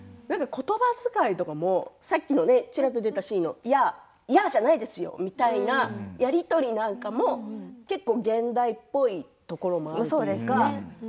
ことばづかいとかもさっきのちらっと出たシーンもやあ、やあじゃないですよみたいなやり取りも結構現代っぽいところがあるんですよね。